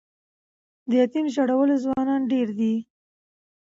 د یتیم د ژړولو ځوانان ډیر دي